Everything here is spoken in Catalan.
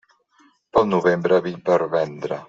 Pel novembre, vi per vendre.